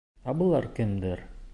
Ә былар кемдәр?